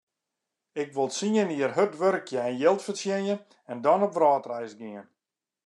Ik wol tsien jier hurd wurkje en jild fertsjinje en dan op wrâldreis gean.